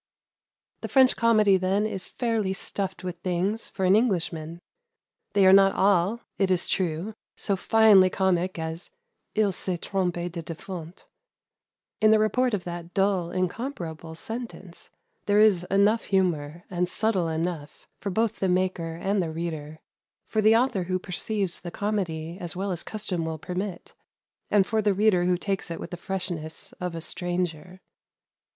The French comedy, then, is fairly stuffed with thin S for an Englishman. They are not all, it is true, so finely comic as "Il s'est trompe de defunte." In the report of that dull, incomparable sentence there is enough humour, and subtle enough, for both the maker and the reader; for the author who perceives the comedy as well as custom will permit, and for the reader who takes it with the freshness of a stranger.